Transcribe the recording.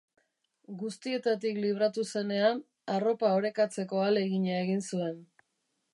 Guztietatik libratu zenean, arropa orekatzeko ahalegina egin zuen.